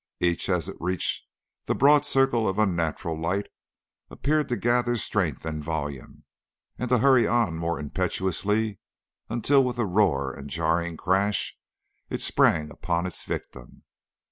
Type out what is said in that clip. Each as it reached the broad circle of unnatural light appeared to gather strength and volume, and to hurry on more impetuously until, with a roar and a jarring crash, it sprang upon its victim.